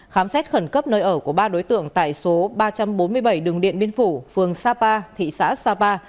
khám xét khẩn cấp nơi ở của ba đối tượng tại số ba trăm bốn mươi bảy đường điện biên phủ phường sapa thị xã sapa